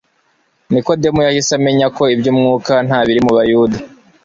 Nikodemu yahise amenya ko iby'Umwuka nta biri mu Bayuda.